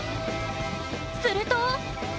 すると！